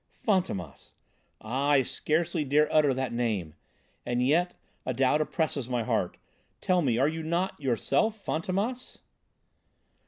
"Fantômas! Ah, I scarcely dare utter that name. And yet a doubt oppresses my heart! Tell me, are you not, yourself Fantômas?"